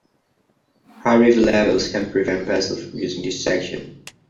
High river levels can prevent vessels from using this section.